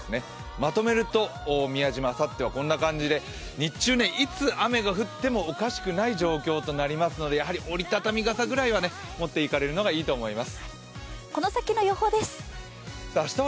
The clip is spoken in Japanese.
まとめると宮島、あさってはこんな感じで日中、いつ雨が降ってもおかしくない状況となりますのでやはり折り畳み傘ぐらいは持って行かれるのがいいと思います。